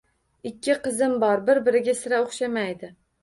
Ikki qizim bor bir-biriga sira o`xshamaydi